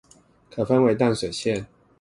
可分為淡水線